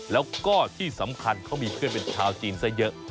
แล้วก็ที่สำคัญเขามีเพื่อนเป็นชาวจีนซะเยอะ